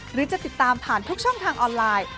หรือจะติดตามผ่านทุกช่องทางออนไลน์